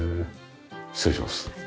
失礼します。